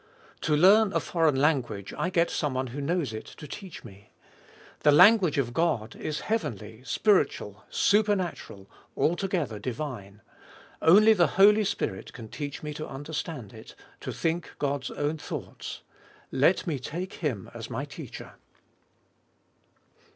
To learn a foreign language I get someone who knows it to teach me. The language of God is heavenly, spiritual, supernatural — altogether divine; only the Holy Spirit can teach me to understand it, to think God's own thoughts. Let me take Him as my teacher.